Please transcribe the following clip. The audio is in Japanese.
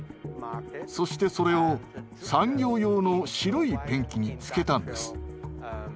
そしてそれを産業用の白いペンキにつけたんです。